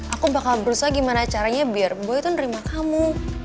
aku bakal berusaha gimana caranya biar gue itu nerima kamu